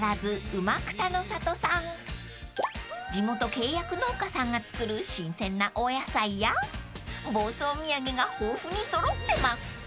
［地元契約農家さんが作る新鮮なお野菜や房総土産が豊富に揃ってます］